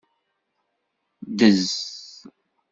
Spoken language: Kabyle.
Ddez.